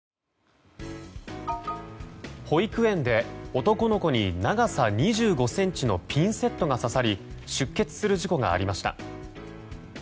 保育園で男の子に長さ２５ｃｍのピンセットが刺さり出血する事故がありました。